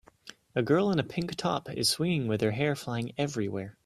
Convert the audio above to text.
a girl in a pink top is swinging with her hair flying everywhere